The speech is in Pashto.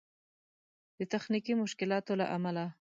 د تخنيکي مشکلاتو له امله